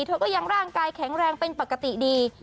เธอก็ยังร่างกายแข็งแรงเป็นปกติดี